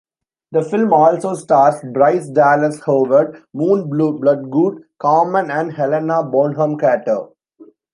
The film also stars Bryce Dallas Howard, Moon Bloodgood, Common and Helena Bonham Carter.